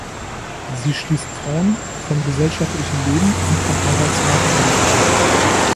Sie schließt Frauen vom gesellschaftlichen Leben und vom Arbeitsmarkt aus.